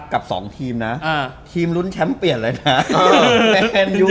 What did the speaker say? กับสองทีมนะทีมลุ้นแชมป์เปลี่ยนเลยนะ